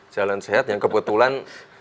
jalan sehat yang kebetulan